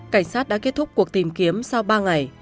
cảnh sát đã kết thúc cuộc tìm kiếm sau ba ngày